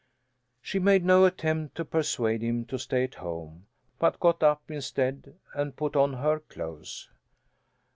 She made no attempt to persuade him to stay at home, but got up, instead, and put on her clothes.